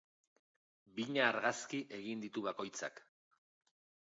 Bina argazki egin ditu bakoitzak.